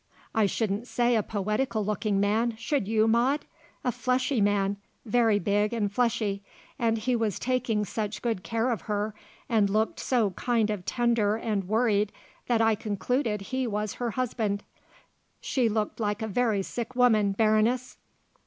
"I shouldn't say a poetical looking man, should you, Maude? A fleshy man very big and fleshy, and he was taking such good care of her and looked so kind of tender and worried that I concluded he was her husband. She looked like a very sick woman, Baroness."